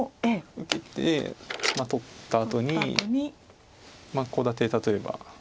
受けて取ったあとにコウ立て例えば。